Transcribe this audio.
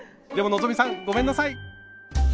でも希さんごめんなさい！